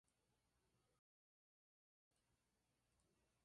Asia recibió educación secundaria.